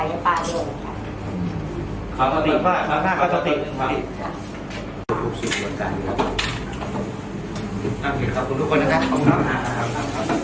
ขอบคุณทุกคนนะครับขอบคุณครับ